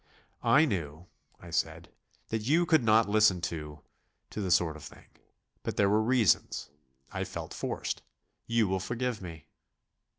"I knew," I said, "that you could not listen to ... to the sort of thing. But there were reasons. I felt forced. You will forgive me."